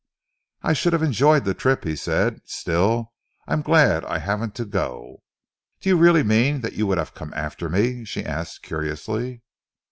"I should have enjoyed the trip," he said. "Still, I'm glad I haven't to go." "Do you really mean that you would have come after me?" she asked curiously.